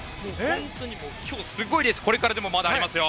本当に今日、すごいレースがこれから、まだありますよ。